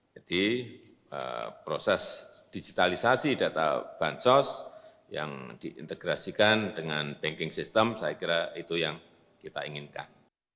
jadi proses digitalisasi data bansos yang diintegrasikan dengan banking system saya kira itu yang kita inginkan